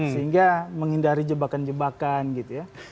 sehingga menghindari jebakan jebakan gitu ya